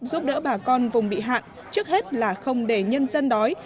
giúp đỡ bà con vùng bị hạn trước hết là không để nhân dân đói